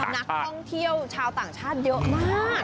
นักท่องเที่ยวชาวต่างชาติเยอะมาก